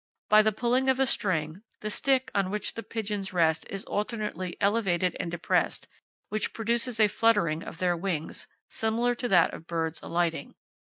By the pulling of a string, the stick on which the pigeons rest is alternately elevated and depressed, which produces a fluttering of their wings, similar to that of birds alighting.